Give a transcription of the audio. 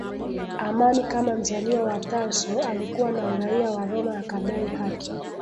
amani Kama mzaliwa wa Tarso alikuwa na uraia wa Roma akadai haki